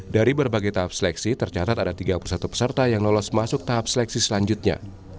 dari berbagai tahap seleksi tercatat ada tiga puluh satu peserta yang lolos masuk tahap seleksi selanjutnya